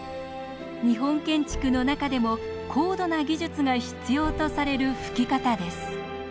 日本建築の中でも高度な技術が必要とされるふき方です。